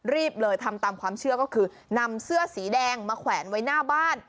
รีบเลยทำตามความเชื่อก็คือนำเสื้อสีแดงมาแขวนไว้หน้าบ้าน